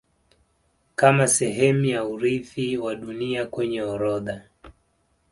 Kama sehemu ya urithi wa Dunia kwenye orodha